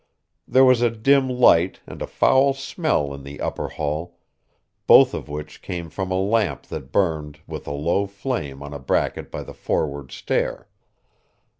There was a dim light and a foul smell in the upper hall, both of which came from a lamp that burned with a low flame on a bracket by the forward stair.